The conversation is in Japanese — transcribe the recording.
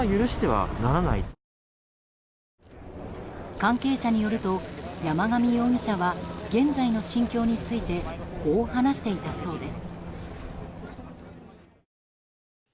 関係者によると山上容疑者は現在の心境についてこう話していたそうです。